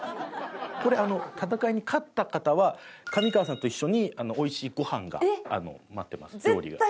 これ戦いに勝った方は上川さんと一緒においしいごはんが待ってます。